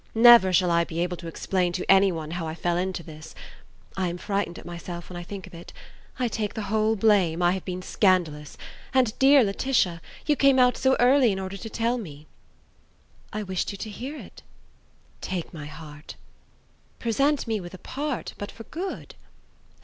Never shall I be able to explain to any one how I fell into this! I am frightened at myself when I think of it. I take the whole blame: I have been scandalous. And, dear Laetitia! you came out so early in order to tell me?" "I wished you to hear it." "Take my heart." "Present me with a part but for good."